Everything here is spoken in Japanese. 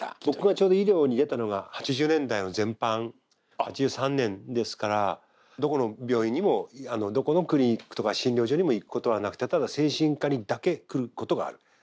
僕がちょうど医療に出たのが８０年代の前半８３年ですからどこの病院にもどこのクリニックとか診療所にも行くことはなく例えば精神科にだけ来ることがある。